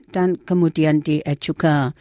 dan kemudian di ejuka